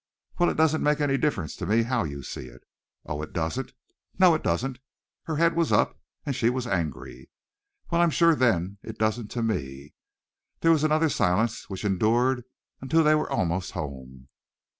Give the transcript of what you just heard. "Well, it doesn't make any difference to me how you see it." "Oh, doesn't it?" "No, it doesn't." Her head was up and she was angry. "Well I'm sure then it doesn't to me." There was another silence which endured until they were almost home.